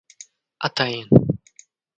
Atayin